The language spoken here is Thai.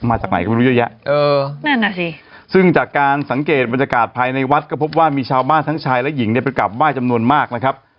มาจากไหนก็ไม่รู้เยอะแยะเออนั่นน่ะสิซึ่งจากการสังเกตบรรยากาศภายในวัดก็พบว่ามีชาวบ้านทั้งชายและหญิงเนี่ยไปกลับไห้จำนวนมากนะครับ